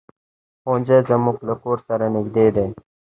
ښوونځی زمونږ له کور سره نږدې دی.